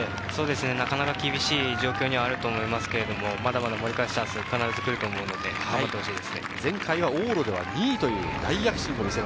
なかなか厳しい条件にはあると思いますけど、まだまだ盛り返すチャンスが必ず来ると思うので頑張ってほしいです。